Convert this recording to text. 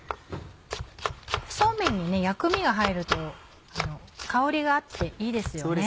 そうめんに薬味が入ると香りがあっていいですよね。